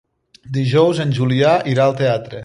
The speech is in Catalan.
Dijous en Julià irà al teatre.